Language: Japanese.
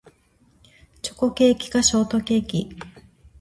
チョコケーキかショートケーキ